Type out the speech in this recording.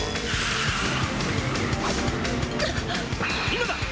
今だ！